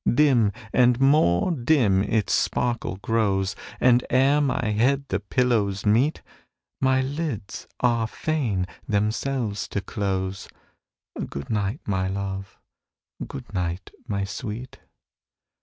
Dim and more dim its sparkle grows, And ere my head the pillows meet, My lids are fain themselves to close. Good night, my love! good night, my sweet!